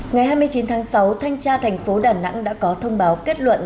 ngày hai mươi chín tháng sáu thanh tra thành phố đà nẵng đã có thông báo kết luận